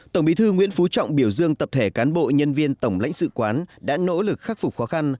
tổng bí thư nguyễn phú trọng biểu dương tập thể cán bộ nhân viên tổng lãnh sự quán đã nỗ lực khắc phục khó khăn